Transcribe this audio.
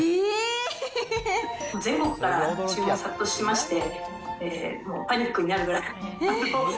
全国から注文殺到しまして、もうパニックになるぐらい。